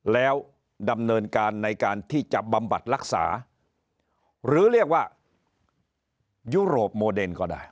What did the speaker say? แล้วดำเนินการในการที่จะบำบัดรักษาหรือเรียกว่ายุโรปโมเดนก็ได้